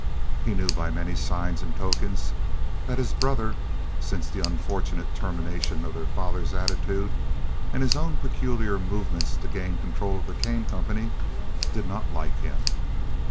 He knew by many signs and tokens that his brother, since the unfortunate termination of their father's attitude and his own peculiar movements to gain control of the Kane Company, did not like him.